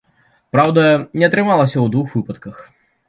Праўда, не атрымалася ў двух выпадках.